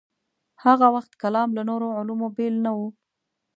هاغه وخت کلام له نورو علومو بېل نه و.